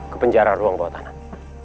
ke penjara ruang bawatanan